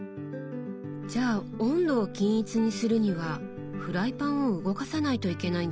じゃあ温度を均一にするにはフライパンを動かさないといけないんですね。